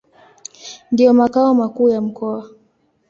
Ndio makao makuu ya mkoa.